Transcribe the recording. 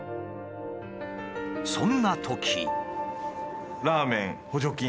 そんなとき。